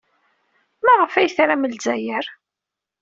Maɣef ay tram Lezzayer?